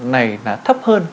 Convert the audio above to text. này là thấp hơn